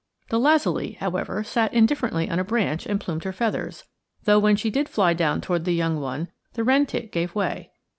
The lazuli, however, sat indifferently on a branch and plumed her feathers, though when she did fly down toward the young one, the wren tit gave way.